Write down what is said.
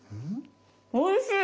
おいしい。